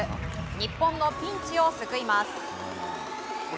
日本のピンチを救います。